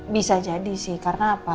bisa jadi sih karena apa